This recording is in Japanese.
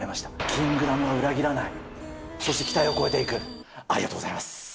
キングダムは裏切らない、そして期待を超えていく、ありがとうございます。